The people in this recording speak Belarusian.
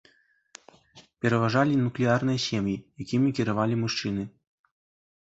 Пераважалі нуклеарныя сем'і, якімі кіравалі мужчыны.